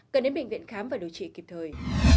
cần đến bệnh viện khám và điều trị kịp thời